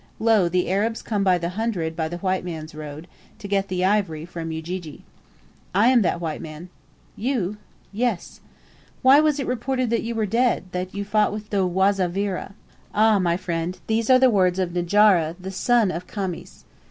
Lo, the Arabs come by the hundred by the white man's road, to get the ivory from Ujiji. "I am that white man." "You?" "Yes." "Why it was reported that you were dead that you fought with the Wazavira." "Ah, my friend, these are the words of Njara, the son of Khamis.